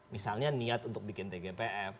misalnya niat untuk bikin tgpf